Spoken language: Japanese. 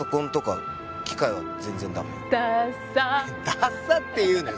「ダッサ」って言うなよ。